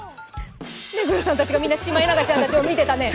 目黒さんたち、みんなシマエナガちゃん見てましたね。